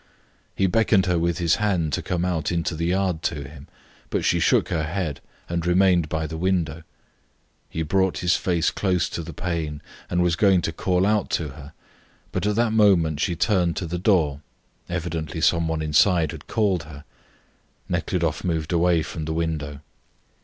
He beckoned her with his hand to come out into the yard to him. But she shook her head and remained by the window. He brought his face close to the pane and was going to call out to her, but at that moment she turned to the door; evidently some one inside had called her. Nekhludoff moved away from the window.